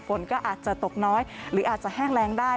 ฝนก็อาจจะตกน้อยหรืออาจจะแห้งแรงได้